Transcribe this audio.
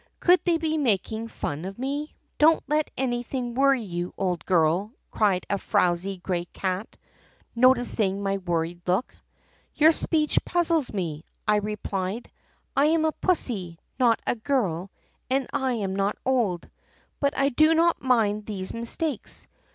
Could they be mak ing fun of me*? " 'Don't let anything worry you, old girl!' cried a frowsy gray cat, noticing my worried look. " 'Your speech puzzles me,' I replied; 'I am a pussy, not a girl, and I am not old. But I do not mind these mistakes.